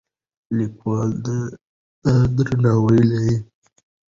لیکوال دا درناوی لري.